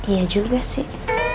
iya juga sih